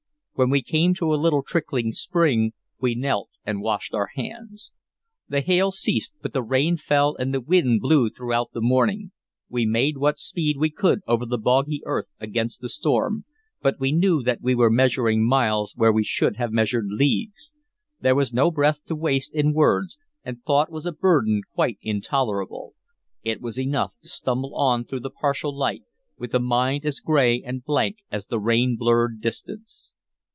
When we came to a little trickling spring, we knelt and washed our hands. The hail ceased, but the rain fell and the wind blew throughout the morning. We made what speed we could over the boggy earth against the storm, but we knew that we were measuring miles where we should have measured leagues. There was no breath to waste in words, and thought was a burden quite intolerable; it was enough to stumble on through the partial light, with a mind as gray and blank as the rain blurred distance.